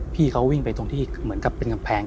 พี่เขาวิ่งไปตรงที่เหมือนกับเป็นกำแพง